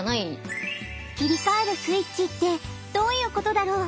切り替えるスイッチってどういうことだろう？